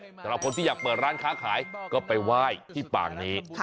สำหรับคนที่อยากเปิดร้านค้าขายก็ไปไหว้ที่ป่างนี้